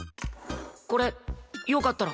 これよかったら。